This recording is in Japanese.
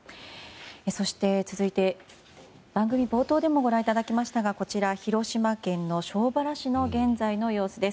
そして、続いて番組冒頭でもご覧いただきましたが広島県庄原市の現在の様子です。